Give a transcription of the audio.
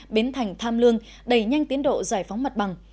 biến thành tham lương đẩy nhanh tiến độ giải phóng mặt bằng